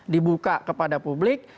dibuka kepada publik